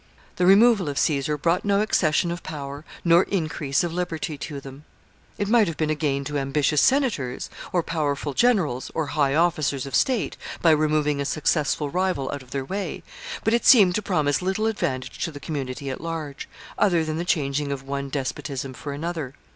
The removal of Caesar brought no accession of power nor increase of liberty to them. It might have been a gain to ambitious senators, or powerful generals, or high officers of state, by removing a successful rival out of their way, but it seemed to promise little advantage to the community at large, other than the changing of one despotism for another.